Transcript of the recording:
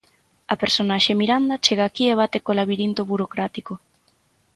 A personaxe, Miranda, chega aquí e bate co labirinto burocrático.